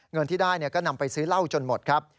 เงินที่ได้ก็นำไปซื้อเหล้าจนหมดครับ